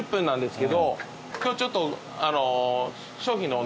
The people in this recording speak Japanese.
今日ちょっとあの。